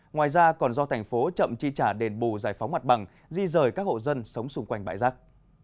ngoài ra còn do thành phố chậm chi trả đền bù giải phóng mặt bằng di rời các hộ dân sống xung quanh bãi rác